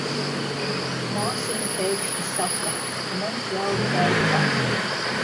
Māsiņa pēkšņi saka, ka mums jāuzgaida dakteris.